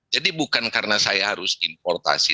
jadi bukan karena saya harus importasi